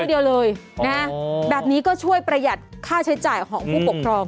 เดียวเลยนะแบบนี้ก็ช่วยประหยัดค่าใช้จ่ายของผู้ปกครอง